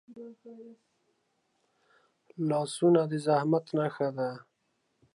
لاسونه د زحمت نښه ده